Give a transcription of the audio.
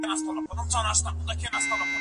زه درځم او ته مې وروله «هغه» ته